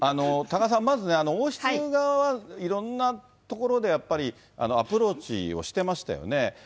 多賀さん、まずね、王室側はいろんなところでやっぱり、アプローチをしてましたよね。